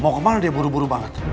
mau ke mana dia buru buru banget